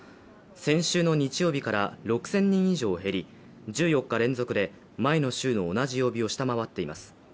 先週の日曜日から６０００人以上減り、１４日連続で前の週の同じ曜日を下回っています。